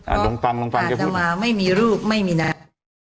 อาตมาไม่มีรูปไม่มีนาม